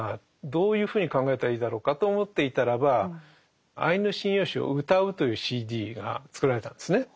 どういうふうに考えたらいいだろうかと思っていたらば「『アイヌ神謡集』をうたう」というＣＤが作られたんですね。